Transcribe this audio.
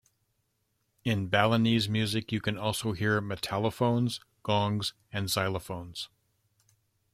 In Balinese music you can also hear metallophones, gongs and xylophones.